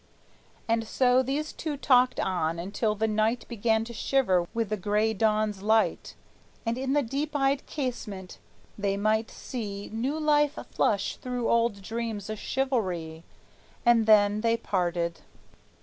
And so these two talked on, until the night Began to shiver with the gray dawn's light, And in the deep dyed casement they might see New life flush through old dreams of chivalry. And then they parted.